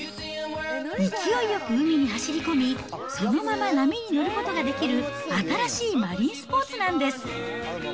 勢いよく海に走り込み、そのまま波に乗ることができる、新しいマリンスポーツなんです。